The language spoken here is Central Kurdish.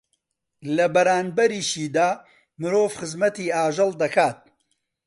لە بەرانبەریشیدا مرۆڤ خزمەتی ئاژەڵ دەکات